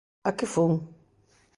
¿A que fun?